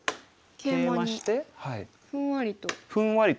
ケイマにふんわりと。